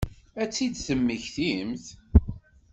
Ad tt-id-temmektimt?